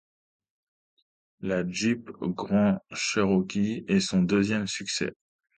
La Jeep Grand Cherokee est son deuxième succès.